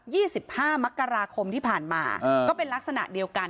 สิบห้ามกราคมที่ผ่านมาอ่าก็เป็นลักษณะเดียวกัน